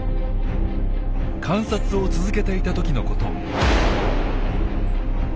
観察を続けていた時のこと。